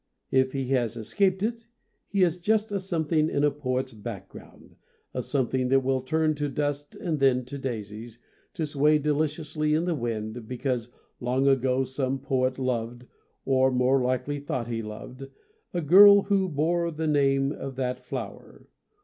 If he has escaped it he is just a something in the poet's background, a something that will turn to dust and then to daisies, to sway deliciously in the wind, because long ago some poet loved, or more likely thought he loved, a girl who bore the name of that flower.